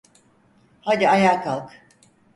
Hadi, ayağa kalk.